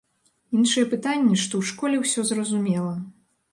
Іншае пытанне, што ў школе ўсё зразумела.